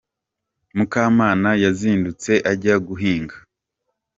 Mukamana yazindutse ajya guhinga.